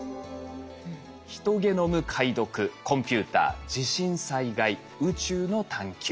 ヒトゲノム解読コンピューター地震・災害宇宙の探究。